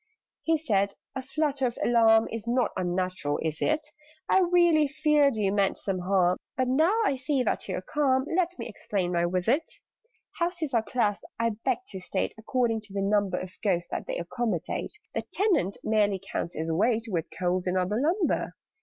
He said "A flutter of alarm Is not unnatural, is it? I really feared you meant some harm: But, now I see that you are calm, Let me explain my visit. "Houses are classed, I beg to state, According to the number Of Ghosts that they accommodate: (The Tenant merely counts as weight, With Coals and other lumber).